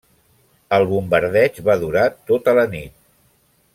El bombardeig va durar tota la nit.